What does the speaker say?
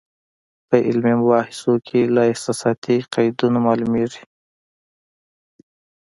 په علمي مباحثو کې له احساساتي قیدونو معلومېږي.